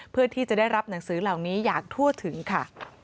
เพื่อที่จะได้รับหนังสือเหล่านี้อย่างทั่วถึงค่ะ